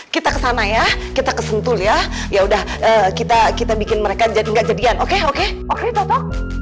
kita kesana ya kita kesentul ya ya udah kita bikin mereka jadi gak jadian oke oke oke toto